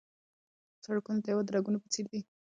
سړکونه د هېواد د رګونو په څېر دي.